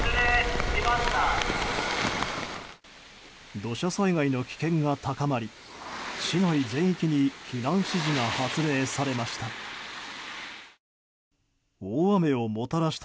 土砂災害の危険が高まり市内全域に避難指示が発令されました。